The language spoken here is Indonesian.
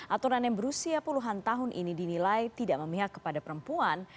aturan yang berusia puluhan tahun ini dinilai tidak memihak kepada perempuan